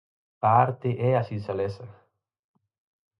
A arte é a sinxeleza.